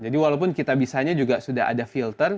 jadi walaupun kita bisanya juga sudah ada filter